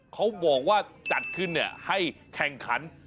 เขาบอกว่าจัดขึ้นให้แข่งขัน